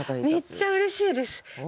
めっちゃうれしいですえへへへ。